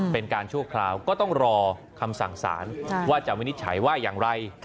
เป็นการชั่วคราวก็ต้องรอคำสั่งสารว่าจะวินิจฉัยว่าอย่างไร